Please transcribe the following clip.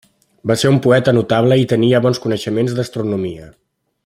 Va ser un poeta notable i tenia bons coneixements d'astronomia.